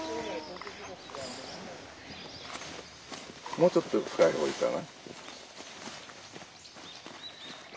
もうちょっと深い方がいいかな。